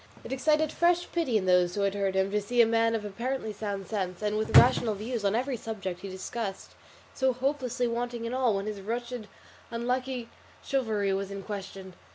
It excited fresh pity in those who had heard him to see a man of apparently sound sense, and with rational views on every subject he discussed, so hopelessly wanting in all, when his wretched unlucky chivalry was in question.